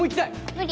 無理！